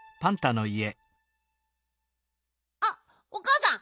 あっおかあさん